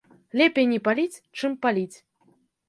Лепей не паліць, чым паліць.